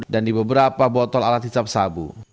dan di beberapa botol alat hisap sabu